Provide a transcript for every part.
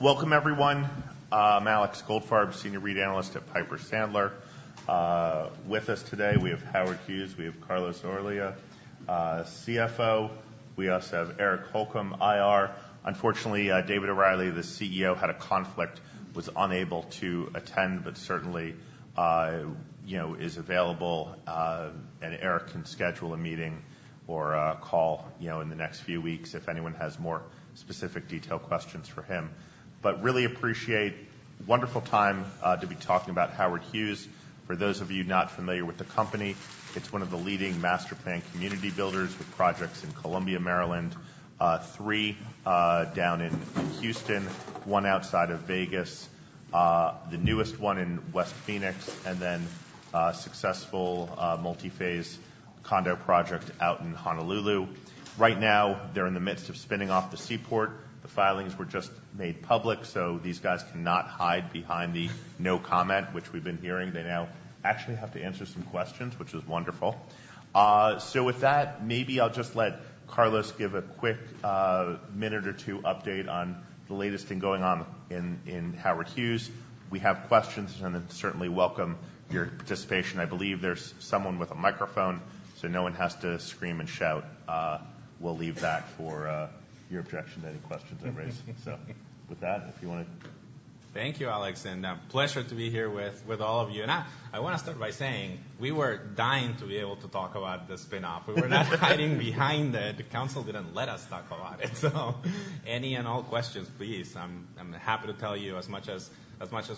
Welcome everyone. I'm Alex Goldfarb, Senior REIT Analyst at Piper Sandler. With us today, we have Howard Hughes, we have Carlos Olea, CFO. We also have Eric Holcomb, IR. Unfortunately, David O'Reilly, the CEO, had a conflict, was unable to attend, but certainly, you know, is available, and Eric can schedule a meeting or a call, you know, in the next few weeks if anyone has more specific detailed questions for him. But really appreciate, wonderful time, to be talking about Howard Hughes. For those of you not familiar with the company, it's one of the leading master-planned community builders with projects in Columbia, Maryland, 3 down in Houston, 1 outside of Vegas, the newest one in West Phoenix, and then a successful, multi-phase condo project out in Honolulu. Right now, they're in the midst of spinning off the Seaport. The filings were just made public, so these guys cannot hide behind the, "No comment," which we've been hearing. They now actually have to answer some questions, which is wonderful. So with that, maybe I'll just let Carlos give a quick minute or two update on the latest thing going on in Howard Hughes. We have questions, and then certainly welcome your participation. I believe there's someone with a microphone, so no one has to scream and shout. We'll leave that for your objection to any questions I raise. So with that, if you wanna Thank you, Alex, and a pleasure to be here with all of you. I wanna start by saying we were dying to be able to talk about the spin-off. We were not hiding behind it. The council didn't let us talk about it. So any and all questions, please. I'm happy to tell you as much as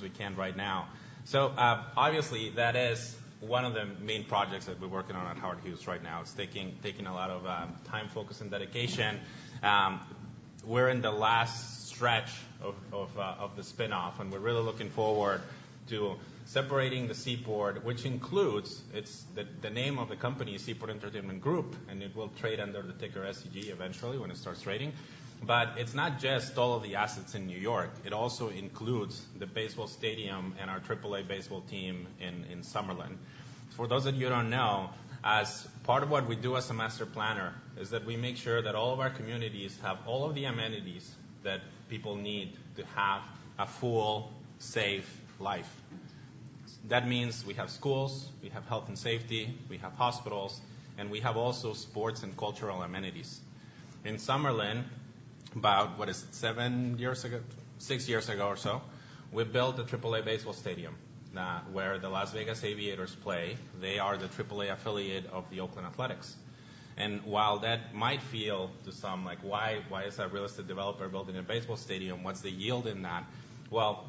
we can right now. So obviously, that is one of the main projects that we're working on at Howard Hughes right now. It's taking a lot of time, focus, and dedication. We're in the last stretch of the spin-off, and we're really looking forward to separating the Seaport, which includes... It's the name of the company, Seaport Entertainment Group, and it will trade under the ticker SEG eventually, when it starts trading. But it's not just all of the assets in New York, it also includes the baseball stadium and our Triple-A baseball team in Summerlin. For those of you who don't know, as part of what we do as a master planner, is that we make sure that all of our communities have all of the amenities that people need to have a full, safe life. That means we have schools, we have health and safety, we have hospitals, and we have also sports and cultural amenities. In Summerlin, about, what is it? 7 years ago, 6 years ago or so, we built a Triple-A baseball stadium, where the Las Vegas Aviators play. They are the Triple-A affiliate of the Oakland Athletics. And while that might feel to some, like, "Why, why is a real estate developer building a baseball stadium? What's the yield in that?" Well,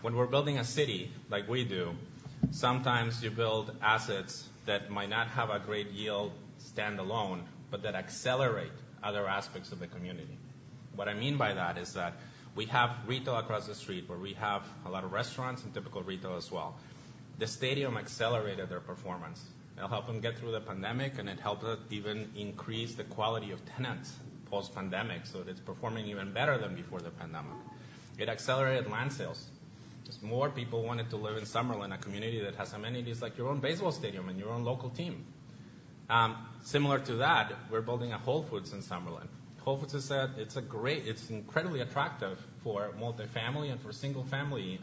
when we're building a city like we do, sometimes you build assets that might not have a great yield standalone, but that accelerate other aspects of the community. What I mean by that is that we have retail across the street, where we have a lot of restaurants and typical retail as well. The stadium accelerated their performance. It helped them get through the pandemic, and it helped us even increase the quality of tenants post-pandemic, so it's performing even better than before the pandemic. It accelerated land sales. Just more people wanted to live in Summerlin, a community that has amenities like your own baseball stadium and your own local team. Similar to that, we're building a Whole Foods in Summerlin. Whole Foods is incredibly attractive for multifamily and for single-family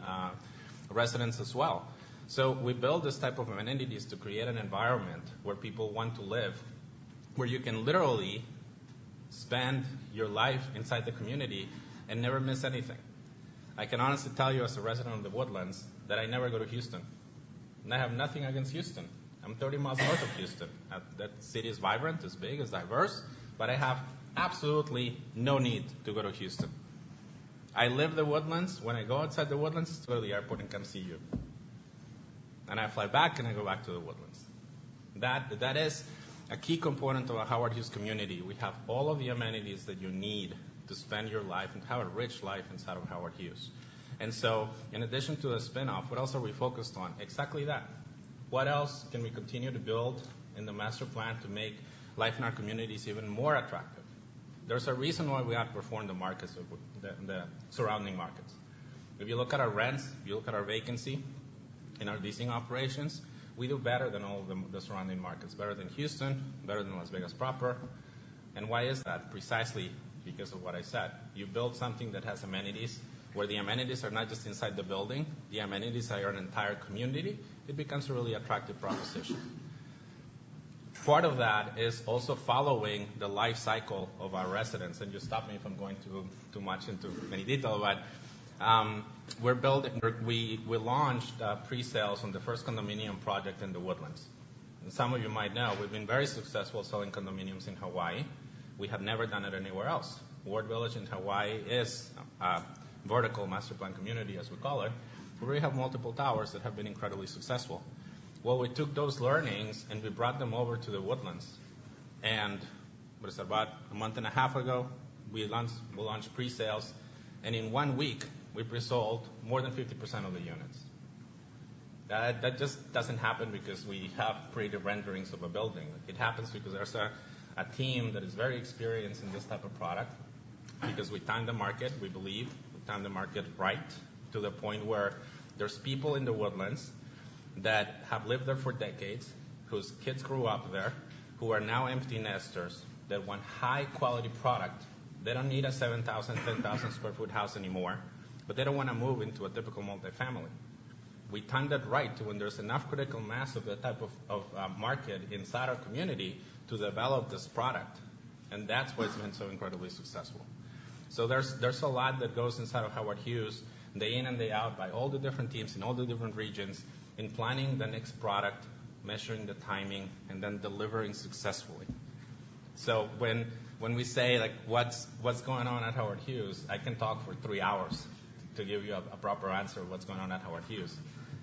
residents as well. So we build this type of amenities to create an environment where people want to live, where you can literally spend your life inside the community and never miss anything. I can honestly tell you, as a resident of The Woodlands, that I never go to Houston, and I have nothing against Houston. I'm 30 miles north of Houston. That city is vibrant, it's big, it's diverse, but I have absolutely no need to go to Houston. I live in The Woodlands. When I go outside The Woodlands, it's to the airport and come see you. Then I fly back, and I go back to The Woodlands. That, that is a key component of a Howard Hughes community. We have all of the amenities that you need to spend your life and have a rich life inside of Howard Hughes. So, in addition to the spin-off, what else are we focused on? Exactly that. What else can we continue to build in the master plan to make life in our communities even more attractive? There's a reason why we outperform the markets of the surrounding markets. If you look at our rents, if you look at our vacancy in our leasing operations, we do better than all of the surrounding markets, better than Houston, better than Las Vegas proper. And why is that? Precisely because of what I said. You build something that has amenities, where the amenities are not just inside the building, the amenities are an entire community, it becomes a really attractive proposition. Part of that is also following the life cycle of our residents, and just stop me if I'm going too much into many detail. But, we're building We launched pre-sales on the first condominium project in The Woodlands. And some of you might know, we've been very successful selling condominiums in Hawaii. We have never done it anywhere else. Ward Village in Hawaii is a vertical master plan community, as we call it, where we have multiple towers that have been incredibly successful. Well, we took those learnings and we brought them over to The Woodlands. And it was about a month and a half ago, we launched pre-sales, and in one week, we've sold more than 50% of the units. That just doesn't happen because we have pretty renderings of a building. It happens because there's a team that is very experienced in this type of product, because we time the market, we believe. We time the market right, to the point where there's people in The Woodlands that have lived there for decades, whose kids grew up there, who are now empty nesters, that want high-quality product. They don't need a 7,000, 10,000 sq ft house anymore, but they don't wanna move into a typical multifamily. We timed it right to when there's enough critical mass of that type of market inside our community to develop this product, and that's why it's been so incredibly successful. So there's a lot that goes inside of Howard Hughes, day in and day out, by all the different teams in all the different regions, in planning the next product, measuring the timing, and then delivering successfully. So when we say, like, "What's going on at Howard Hughes?" I can talk for three hours to give you a proper answer of what's going on at Howard Hughes.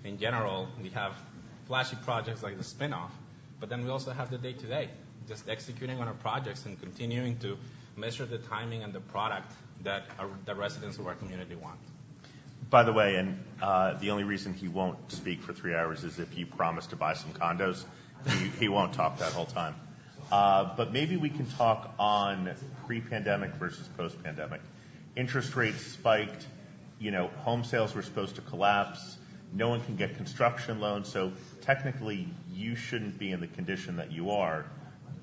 In general, we have flashy projects like the spin-off, but then we also have the day-to-day, just executing on our projects and continuing to measure the timing and the product that the residents of our community want. By the way, the only reason he won't speak for three hours is if you promise to buy some condos. He won't talk that whole time. But maybe we can talk on pre-pandemic versus post-pandemic. Interest rates spiked, you know, home sales were supposed to collapse. No one can get construction loans, so technically, you shouldn't be in the condition that you are.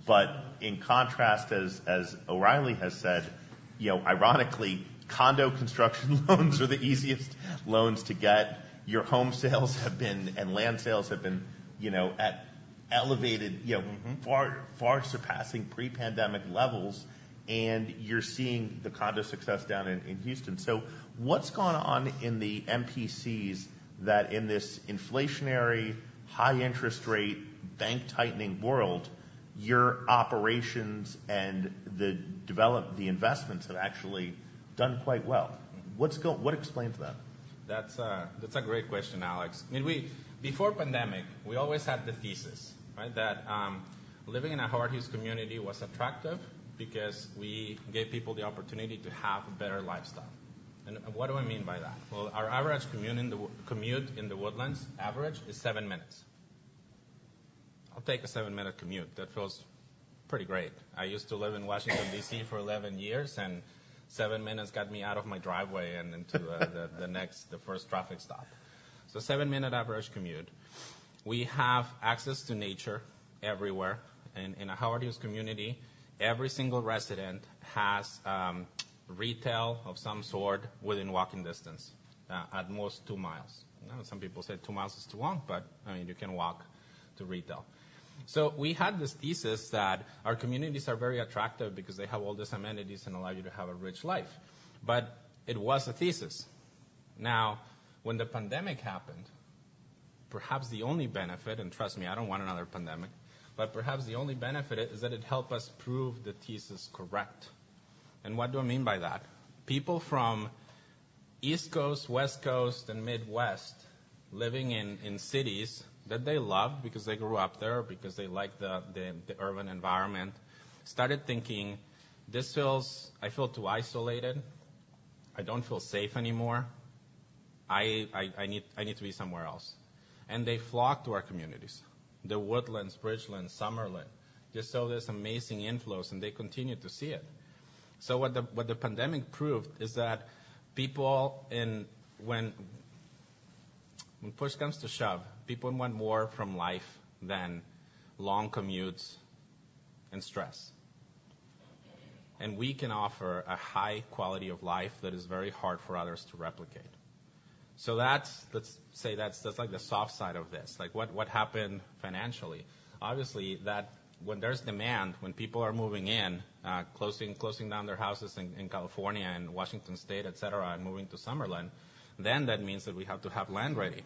But in contrast, as O'Reilly has said, you know, ironically, condo construction loans are the easiest loans to get. Your home sales have been, and land sales have been, you know, at elevated, you know far, far surpassing pre-pandemic levels, and you're seeing the condo success down in Houston. So what's gone on in the MPCs that in this inflationary, high-interest rate, bank tightening world, your operations and the investments have actually done quite well? What explains that? That's a great question, Alex. I mean, we before pandemic, we always had the thesis, right? That living in a Howard Hughes community was attractive because we gave people the opportunity to have a better lifestyle. And what do I mean by that? Well, our average commute in The Woodlands, average, is seven minutes. I'll take a seven-minute commute. That feels pretty great. I used to live in Washington, D.C., for 11 years, and seven minutes got me out of my driveway and into the next, the first traffic stop. So seven-minute average commute. We have access to nature everywhere. In a Howard Hughes community, every single resident has retail of some sort within walking distance, at most two miles. You know, some people say two miles is too long, but, I mean, you can walk to retail. So we had this thesis that our communities are very attractive because they have all these amenities and allow you to have a rich life. But it was a thesis. Now, when the pandemic happened, perhaps the only benefit, and trust me, I don't want another pandemic, but perhaps the only benefit is that it helped us prove the thesis correct. And what do I mean by that? People from East Coast, West Coast, and Midwest, living in cities that they love because they grew up there, because they like the urban environment, started thinking: This feels... I feel too isolated. I don't feel safe anymore. I need to be somewhere else. And they flocked to our communities. The Woodlands, Bridgeland, Summerlin, just saw this amazing inflows, and they continued to see it. So what the pandemic proved is that people, when push comes to shove, people want more from life than long commutes and stress. And we can offer a high quality of life that is very hard for others to replicate. So that's, let's say, that's like the soft side of this. Like, what happened financially? Obviously, when there's demand, when people are moving in, closing down their houses in California and Washington State, et cetera, and moving to Summerlin, then that means that we have to have land ready,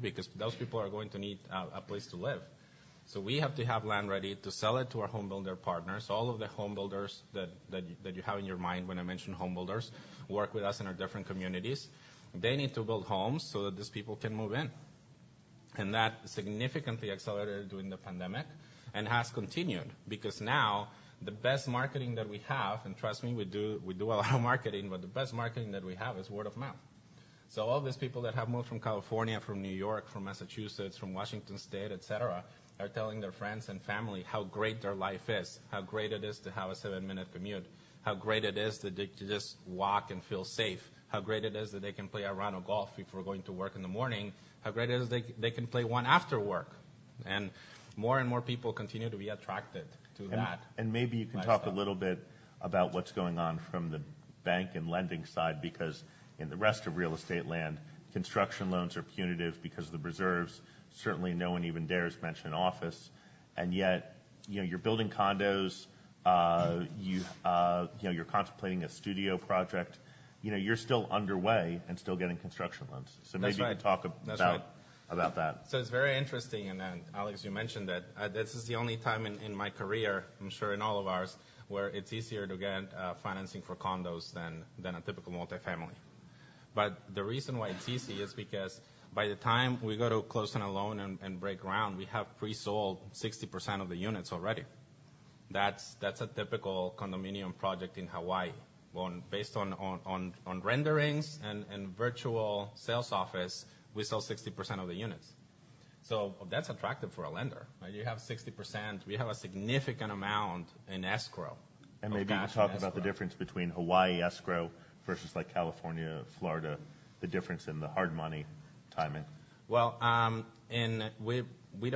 because those people are going to need a place to live. So we have to have land ready to sell it to our home builder partners. All of the home builders that you have in your mind when I mention home builders work with us in our different communities. They need to build homes so that these people can move in. And that significantly accelerated during the pandemic and has continued, because now, the best marketing that we have, and trust me, we do a lot of marketing, but the best marketing that we have is word of mouth. All these people that have moved from California, from New York, from Massachusetts, from Washington State, et cetera, are telling their friends and family how great their life is, how great it is to have a seven-minute commute, how great it is that they can just walk and feel safe, how great it is that they can play a round of golf before going to work in the morning, how great it is they can play one after work. More and more people continue to be attracted to that. Maybe you can talk a little bit about what's going on from the bank and lending side, because in the rest of real estate land, construction loans are punitive because of the reserves. Certainly, no one even dares mention office, and yet, you know, you're building condos. You know, you're contemplating a studio project. You know, you're still underway and still getting construction loans. That's right. Maybe you can talk about- That's right. about that. So it's very interesting. And then, Alex, you mentioned that this is the only time in my career, I'm sure in all of ours, where it's easier to get financing for condos than a typical multifamily. But the reason why it's easy is because by the time we go to close on a loan and break ground, we have pre-sold 60% of the units already. That's a typical condominium project in Hawaii. Based on renderings and virtual sales office, we sell 60% of the units. Well, that's attractive for a lender, right? You have 60%. We have a significant amount in escrow. Maybe you can talk about the difference between Hawaii escrow versus, like, California, Florida, the difference in the hard money timing. Well, because we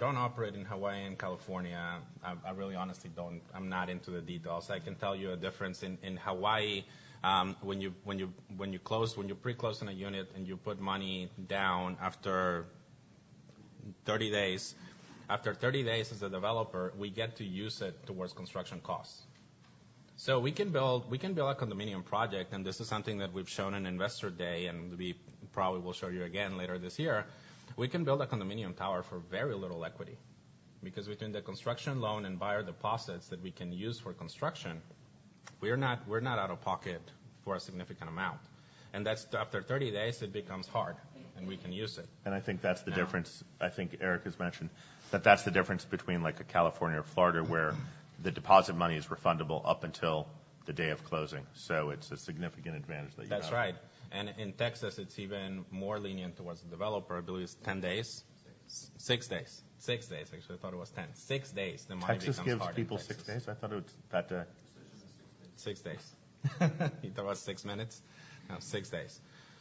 don't operate in Hawaii and California, I really honestly don't... I'm not into the details. I can tell you a difference in Hawaii, when you pre-close on a unit, and you put money down after 30 days as a developer, we get to use it towards construction costs. So we can build a condominium project, and this is something that we've shown in Investor Day, and we probably will show you again later this year. We can build a condominium tower for very little equity because between the construction loan and buyer deposits that we can use for construction, we're not out of pocket for a significant amount, and that's after 30 days, it becomes hard money, and we can use it. I think that's the difference. I think Eric has mentioned that that's the difference between, like, a California or Florida, where the deposit money is refundable up until the day of closing. It's a significant advantage that you have. That's right. And in Texas, it's even more lenient toward the developer. I believe it's 10 days? Six. 6 days. 6 days. Actually, I thought it was 10. 6 days, the money becomes hard. Texas gives people six days? I thought it was that, Six days. Six days. You thought it was six minutes? No, six days.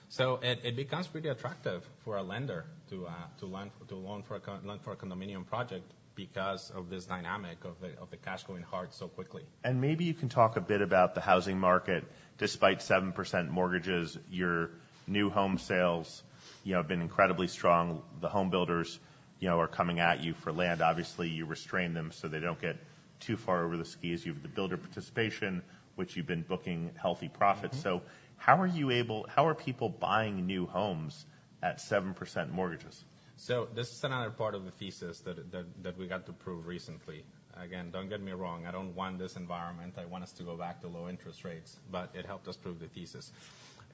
So it becomes pretty attractive for a lender to lend, to loan for a condominium project because of this dynamic of the cash going hard so quickly. Maybe you can talk a bit about the housing market. Despite 7% mortgages, your new home sales, you know, have been incredibly strong. The home builders, you know, are coming at you for land. Obviously, you restrain them so they don't get too far over the skis. You have the builder participation, which you've been booking healthy profits. How are people buying new homes at 7% mortgages? So this is another part of the thesis that we got to prove recently. Again, don't get me wrong, I don't want this environment. I want us to go back to low interest rates, but it helped us prove the thesis.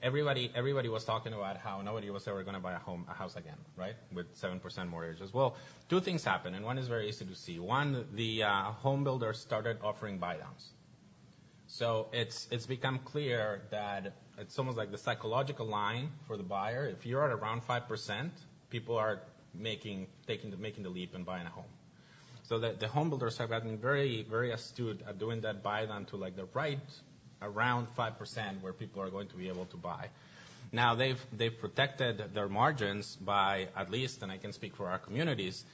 Everybody was talking about how nobody was ever gonna buy a home, a house again, right? With 7% mortgages. Well, two things happened, and one is very easy to see. One, the home builders started offering buydowns. So it's become clear that it's almost like the psychological line for the buyer. If you're at around 5%, people are making the leap and buying a home. So the home builders have gotten very, very astute at doing that buydown to, like, right around 5%, where people are going to be able to buy. Now, they've protected their margins by at least, and I can speak for our communities,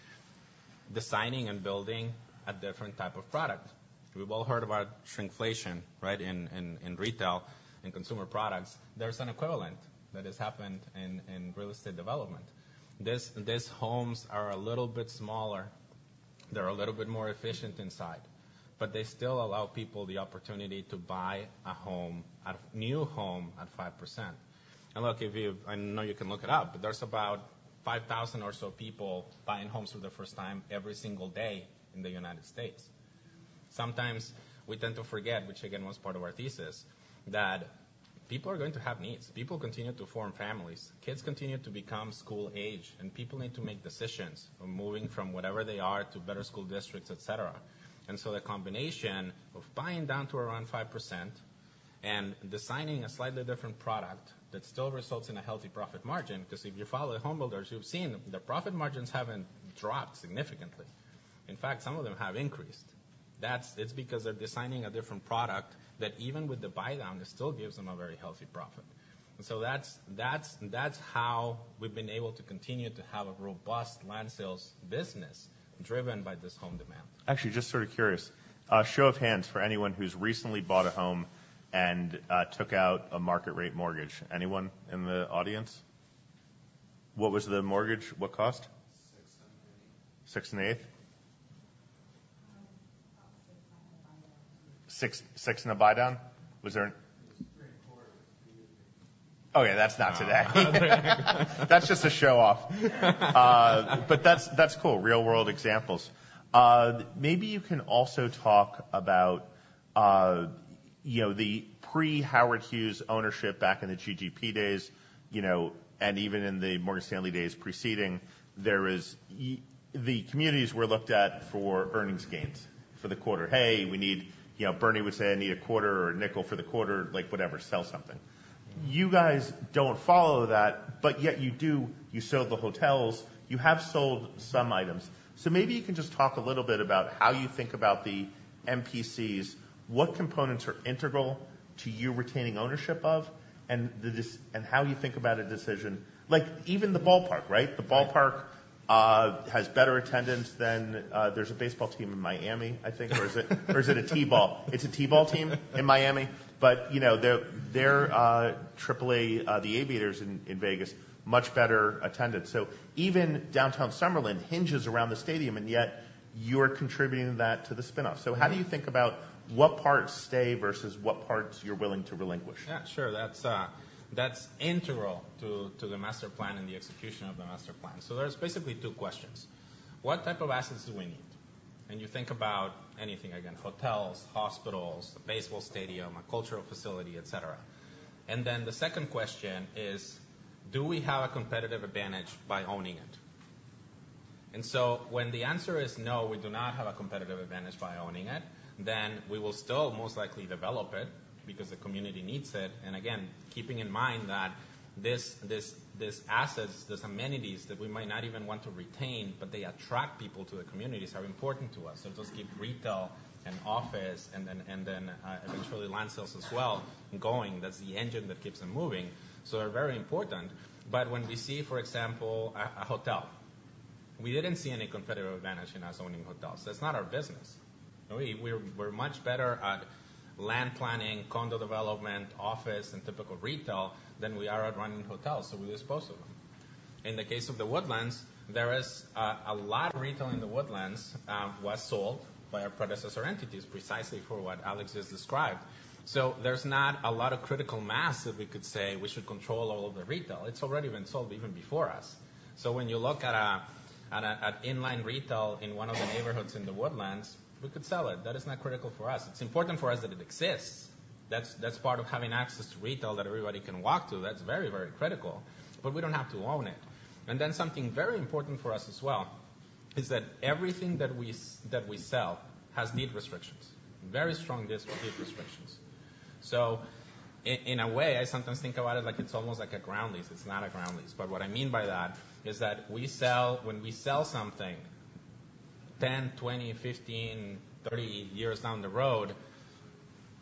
designing and building a different type of product. We've all heard about shrinkflation, right? In retail and consumer products. There's an equivalent that has happened in real estate development. These homes are a little bit smaller. They're a little bit more efficient inside, but they still allow people the opportunity to buy a home, a new home, at 5%. And look, if you... I know you can look it up, but there's about 5,000 or so people buying homes for the first time every single day in the United States. Sometimes we tend to forget, which again, was part of our thesis, that people are going to have needs. People continue to form families, kids continue to become school age, and people need to make decisions on moving from whatever they are to better school districts, et cetera. And so the combination of buying down to around 5% and designing a slightly different product that still results in a healthy profit margin. Because if you follow the home builders, you've seen the profit margins haven't dropped significantly. In fact, some of them have increased. That's- it's because they're designing a different product that even with the buydown, it still gives them a very healthy profit. And so that's, that's, that's how we've been able to continue to have a robust land sales business driven by this home demand. Actually, just sort of curious, show of hands for anyone who's recently bought a home and took out a market rate mortgage. Anyone in the audience? What was the mortgage? What cost? 6.125. 6.125 About 6 and a buydown. 6, 6 and a buydown? Was there It was 3.25. Oh, yeah, that's not today. That's just a show-off. But that's, that's cool. Real-world examples. Maybe you can also talk about, you know, the pre-Howard Hughes ownership back in the GGP days, you know, and even in the Morgan Stanley days preceding. The communities were looked at for earnings gains for the quarter. "Hey, we need," you know, Bernie would say, "I need a quarter or a nickel for the quarter. Like, whatever, sell something." You guys don't follow that, but yet you do. You sold the hotels, you have sold some items. So maybe you can just talk a little bit about how you think about the MPCs, what components are integral to you retaining ownership of, and the decision and how you think about a decision, like, even the ballpark, right? Right. The ballpark has better attendance than, there's a baseball team in Miami, I think. Or is it, or is it a T-ball? It's a T-ball team in Miami. But, you know, their, their, AAA, the Aviators in, in Vegas, much better attendance. So even downtown Summerlin hinges around the stadium, and yet you're contributing that to the spin-off. How do you think about what parts stay versus what parts you're willing to relinquish? Yeah, sure. That's integral to the master plan and the execution of the master plan. So there's basically two questions: What type of assets do we need? And you think about anything, again, hotels, hospitals, a baseball stadium, a cultural facility, et cetera. And then the second question is: Do we have a competitive advantage by owning it? And so when the answer is no, we do not have a competitive advantage by owning it, then we will still most likely develop it because the community needs it. And again, keeping in mind that these assets, these amenities that we might not even want to retain, but they attract people to the communities, are important to us. So those keep retail and office and then eventually land sales as well, going. That's the engine that keeps them moving, so they're very important. But when we see, for example, a hotel, we didn't see any competitive advantage in us owning hotels. That's not our business. We're, we're much better at land planning, condo development, office, and typical retail than we are at running hotels, so we dispose of them. In the case of The Woodlands, there is a lot of retail in The Woodlands, was sold by our predecessor entities precisely for what Alex just described. So there's not a lot of critical mass that we could say we should control all of the retail. It's already been sold even before us. So when you look at inline retail in one of the neighborhoods in The Woodlands, we could sell it. That is not critical for us. It's important for us that it exists. That's part of having access to retail that everybody can walk to. That's very, very critical, but we don't have to own it. And then something very important for us as well is that everything that we sell has deed restrictions, very strong deed restrictions. So in a way, I sometimes think about it like it's almost like a ground lease. It's not a ground lease, but what I mean by that is that we sell... When we sell something, 10, 20, 15, 30 years down the road,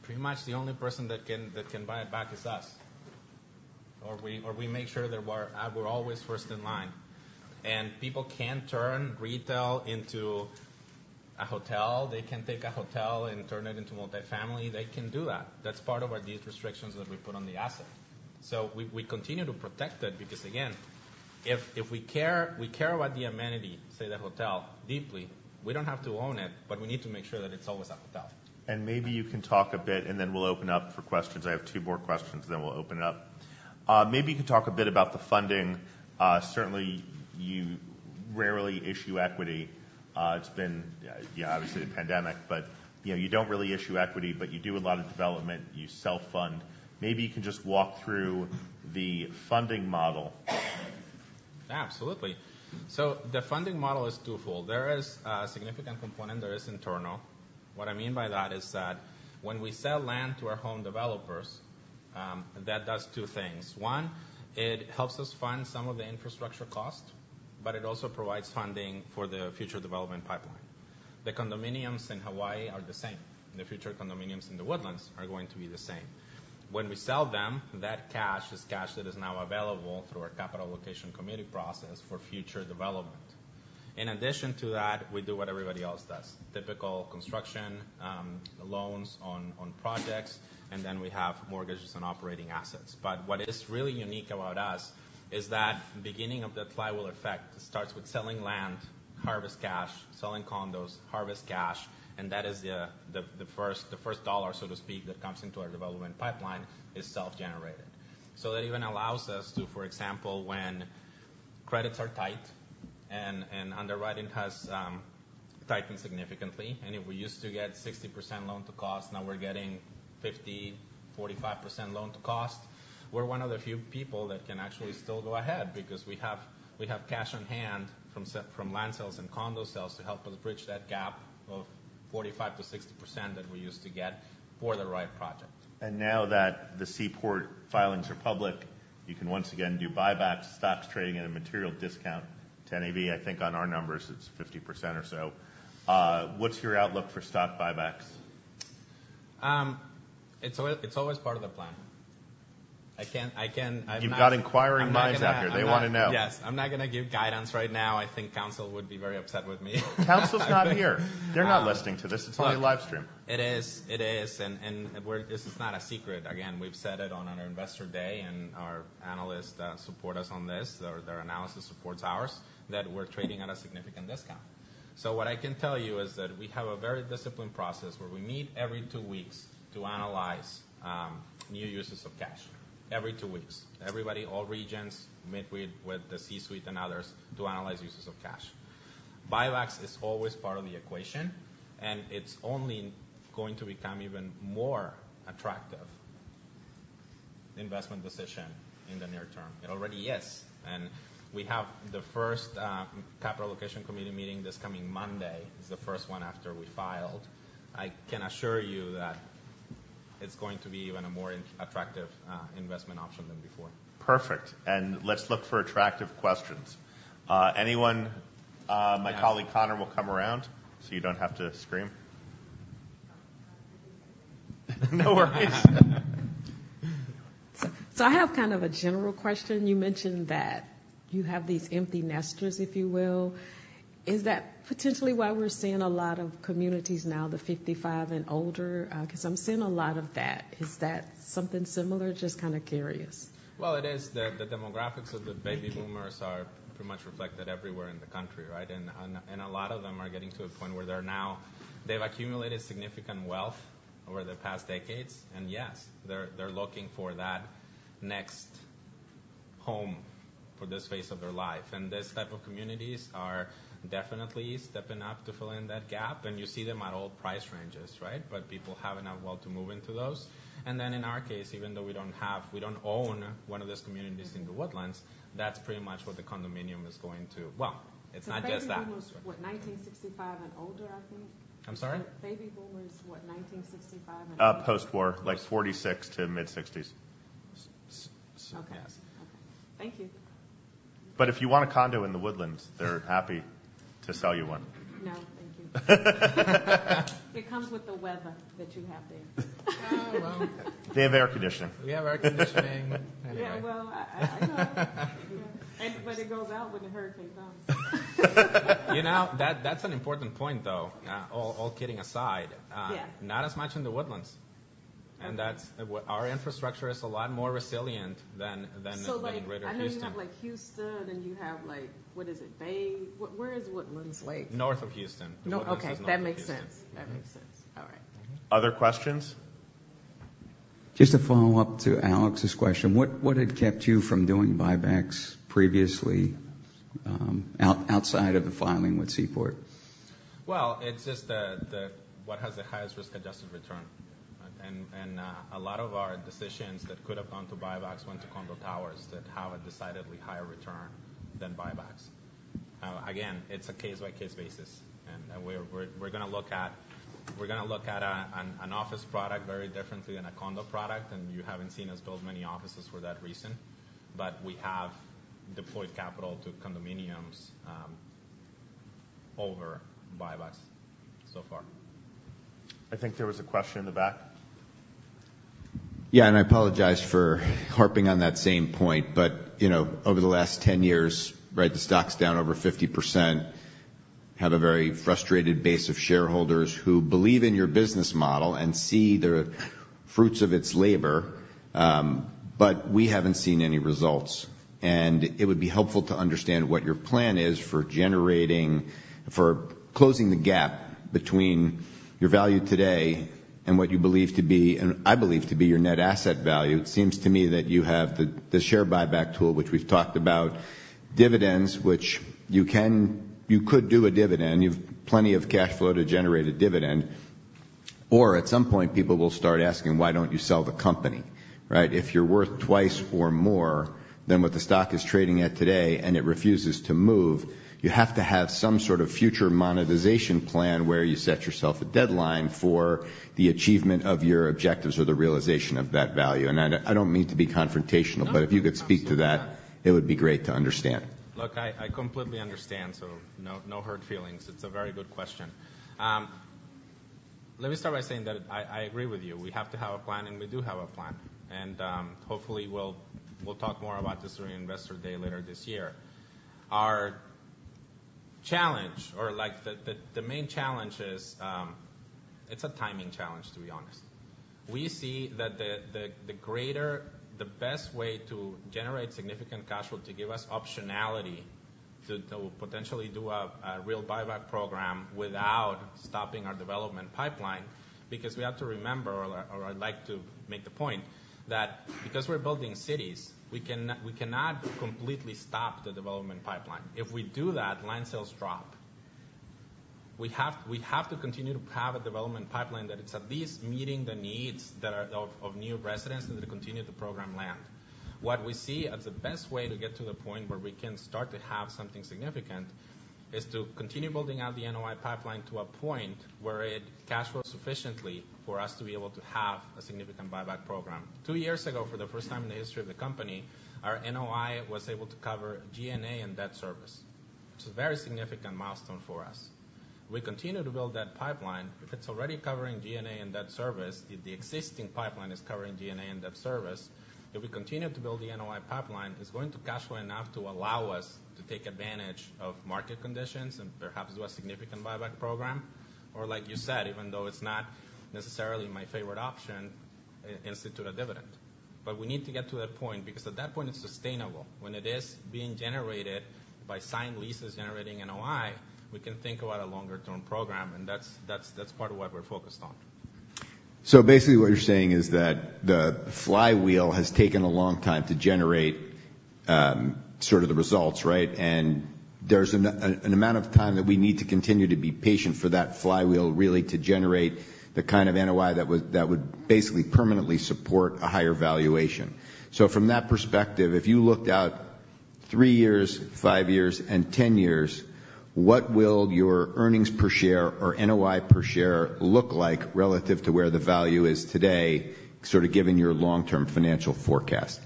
pretty much the only person that can buy it back is us, or we make sure that we're always first in line. And people can turn retail into a hotel. They can take a hotel and turn it into multifamily. They can do that. That's part of our deed restrictions that we put on the asset. So we continue to protect it because, again, if we care about the amenity, say, the hotel, deeply, we don't have to own it, but we need to make sure that it's always a hotel. Maybe you can talk a bit, and then we'll open up for questions. I have two more questions, then we'll open it up. Maybe you could talk a bit about the funding. Certainly, you rarely issue equity. It's been, yeah, obviously the pandemic, but, you know, you don't really issue equity, but you do a lot of development. You self-fund. Maybe you can just walk through the funding model. Absolutely. So the funding model is twofold. There is a significant component that is internal. What I mean by that is that when we sell land to our home developers, that does two things. One, it helps us fund some of the infrastructure costs, but it also provides funding for the future development pipeline. The condominiums in Hawaii are the same. The future condominiums in The Woodlands are going to be the same. When we sell them, that cash is cash that is now available through our capital allocation committee process for future development. In addition to that, we do what everybody else does, typical construction loans on projects, and then we have mortgages and operating assets. But what is really unique about us is that beginning of the flywheel effect, it starts with selling land, harvest cash, selling condos, harvest cash, and that is the, the first dollar, so to speak, that comes into our development pipeline is self-generated. So that even allows us to, for example, when credits are tight and underwriting has tightened significantly, and if we used to get 60% loan to cost, now we're getting 50, 45% loan to cost, we're one of the few people that can actually still go ahead because we have cash on hand from land sales and condo sales to help us bridge that gap of 45%-60% that we used to get for the right project. Now that the Seaport filings are public, you can once again do buybacks, stocks trading at a material discount to NAV. I think on our numbers, it's 50% or so. What's your outlook for stock buybacks? It's always part of the plan. I can't, I can't, I'm not- You've got inquiring minds out there. They want to know. Yes. I'm not gonna give guidance right now. I think counsel would be very upset with me. Counsel's not here. They're not listening to this. It's only live stream. It is. It is. And this is not a secret. Again, we've said it on our Investor Day, and our analysts support us on this. Their analysis supports ours, that we're trading at a significant discount. So what I can tell you is that we have a very disciplined process where we meet every two weeks to analyze new uses of cash. Every two weeks. Everybody, all regions, meet with the C-suite and others to analyze uses of cash. Buybacks is always part of the equation, and it's only going to become even more attractive investment decision in the near term. It already is, and we have the first Capital Allocation Committee meeting this coming Monday. It's the first one after we filed. I can assure you that it's going to be even more attractive investment option than before. Perfect. And let's look for attractive questions. Anyone. My colleague, Connor, will come around, so you don't have to scream. No worries. So I have kind of a general question. You mentioned that you have these empty nesters, if you will. Is that potentially why we're seeing a lot of communities now, the 55 and older? Because I'm seeing a lot of that. Is that something similar? Just kind of curious. Well, it is. The demographics of the baby boomers are pretty much reflected everywhere in the country, right? And a lot of them are getting to a point where they're now, they've accumulated significant wealth over the past decades, and yes, they're looking for that next home for this phase of their life. And these type of communities are definitely stepping up to fill in that gap, and you see them at all price ranges, right? But people have enough wealth to move into those. And then in our case, even though we don't have, we don't own one of those communities in The Woodlands, that's pretty much what the condominium is going to. Well, it's not just that. The baby boom was what? 1965 and older, I think. I'm sorry? Baby boomers, what? 1965 and- Postwar, like 1946 to mid-1960s. Okay. Okay, thank you. But if you want a condo in The Woodlands, they're happy to sell you one. No, thank you. It comes with the weather that you have there. Oh, well. They have air conditioning. We have air conditioning. Yeah, well, I, I know. But it goes out when the hurricane comes. You know, that, that's an important point, though. All kidding aside Yeah not as much in The Woodlands. And that's... Our infrastructure is a lot more resilient than the greater Houston. So, like, I know you have, like, Houston, and you have, like, what is it? Bay... Where is The Woodlands? North of Houston. Okay, that makes sense. That makes sense. All right. Other questions? Just to follow up to Alex's question, what had kept you from doing buybacks previously, outside of the filing with Seaport? Well, it's just what has the highest risk-adjusted return. A lot of our decisions that could have gone to buybacks went to condo towers, that have a decidedly higher return than buybacks. Again, it's a case-by-case basis, and we're gonna look at an office product very differently than a condo product, and you haven't seen us build many offices for that reason. But we have deployed capital to condominiums over buybacks so far. I think there was a question in the back. Yeah, and I apologize for harping on that same point, but, you know, over the last 10 years, right, the stock's down over 50%. Have a very frustrated base of shareholders who believe in your business model and see the fruits of its labor, but we haven't seen any results. And it would be helpful to understand what your plan is for generating- for closing the gap between your value today and what you believe to be, and I believe to be, your net asset value. It seems to me that you have the, the share buyback tool, which we've talked about, dividends, which you can you could do a dividend. You've plenty of cash flow to generate a dividend, or at some point, people will start asking, "Why don't you sell the company?" Right? If you're worth twice or more than what the stock is trading at today and it refuses to move, you have to have some sort of future monetization plan, where you set yourself a deadline for the achievement of your objectives or the realization of that value. I, I don't mean to be confrontational No. But if you could speak to that, it would be great to understand. Look, I completely understand, so no, no hard feelings. It's a very good question. Let me start by saying that I agree with you. We have to have a plan, and we do have a plan. Hopefully, we'll talk more about this during Investor Day later this year. Our challenge, or, like, the main challenge is, it's a timing challenge, to be honest. We see that the greater, the best way to generate significant cash flow to give us optionality to potentially do a real buyback program without stopping our development pipeline. Because we have to remember, or I'd like to make the point, that because we're building cities, we cannot completely stop the development pipeline. If we do that, land sales drop. We have to continue to have a development pipeline that is at least meeting the needs of new residents and to continue to program land. What we see as the best way to get to the point where we can start to have something significant is to continue building out the NOI pipeline to a point where it cash flows sufficiently for us to be able to have a significant buyback program. Two years ago, for the first time in the history of the company, our NOI was able to cover G&A and debt service. It's a very significant milestone for us. We continue to build that pipeline. If it's already covering G&A and debt service, if the existing pipeline is covering G&A and debt service, if we continue to build the NOI pipeline, it's going to cash flow enough to allow us to take advantage of market conditions and perhaps do a significant buyback program. Or, like you said, even though it's not necessarily my favorite option, institute a dividend. But we need to get to that point, because at that point, it's sustainable. When it is being generated by signed leases generating NOI, we can think about a longer-term program, and that's part of what we're focused on. So basically, what you're saying is that the flywheel has taken a long time to generate sort of the results, right? And there's an amount of time that we need to continue to be patient for that flywheel really to generate the kind of NOI that would basically permanently support a higher valuation. So from that perspective, if you looked out 3 years, 5 years, and 10 years, what will your earnings per share or NOI per share look like relative to where the value is today, sort of given your long-term financial forecast?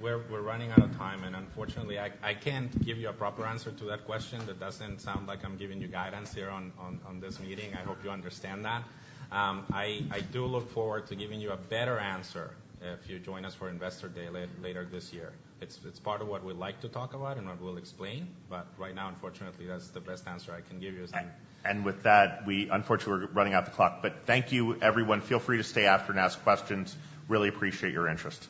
We're running out of time, and unfortunately, I can't give you a proper answer to that question. That doesn't sound like I'm giving you guidance here on this meeting. I hope you understand that. I do look forward to giving you a better answer if you join us for Investor Day later this year. It's part of what we'd like to talk about and what we'll explain, but right now, unfortunately, that's the best answer I can give you. And with that, we unfortunately, we're running out the clock, but thank you, everyone. Feel free to stay after and ask questions. Really appreciate your interest.